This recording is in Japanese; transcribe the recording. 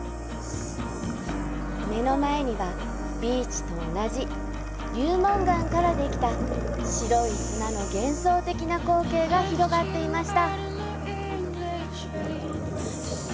目の前には、ビーチと同じ流紋岩からできた白い砂の幻想的な光景が広がっていました。